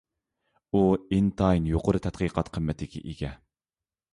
ئۇ ئىنتايىن يۇقىرى تەتقىقات قىممىتىگە ئىگە.